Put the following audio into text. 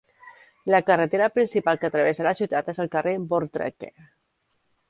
La carretera principal que travessa la ciutat és el carrer Voortrekker.